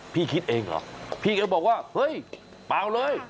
คิดเองเหรอพี่แกบอกว่าเฮ้ยเปล่าเลย